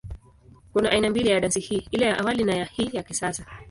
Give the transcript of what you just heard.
Kuna aina mbili ya dansi hii, ile ya awali na ya hii ya kisasa.